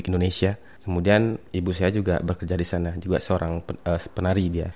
indonesia kemudian ibu saya juga bekerja di sana juga seorang penari dia